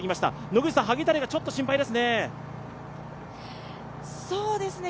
野口さん、萩谷がちょっと心配ですね。